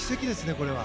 これは。